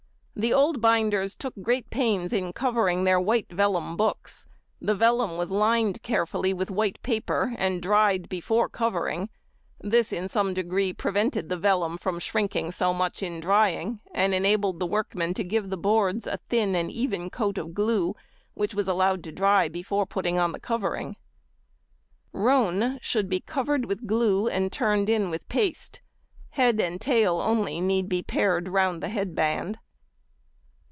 The old binders took great pains in covering their white vellum books. The vellum was lined carefully with white paper and dried before covering: this in some degree prevented the vellum from shrinking so much in drying, and enabled the workman to give the boards a thin and even coat of glue, which was allowed to dry before putting on the covering. |95| Roan should be covered with glue and turned in with paste. Head and tail only need be pared round the head band.